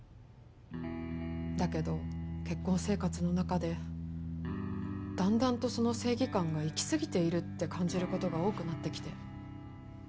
だけど結婚生活の中でだんだんとその正義感が行きすぎているって感じる事が多くなってきて。